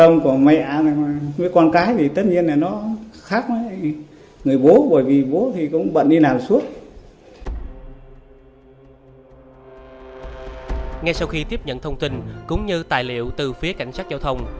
ngay sau khi tiếp nhận thông tin cũng như tài liệu từ phía cảnh sát giao thông